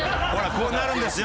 こうなるんですよ。